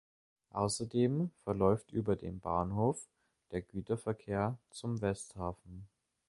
Außerdem verläuft über den Bahnhof der Güterverkehr zum Westhafen.